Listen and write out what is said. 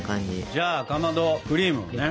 じゃあかまどクリームのね。